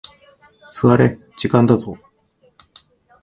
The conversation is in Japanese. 座れ、時間だぞ。